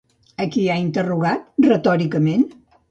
A qui ha interrogat, retòricament?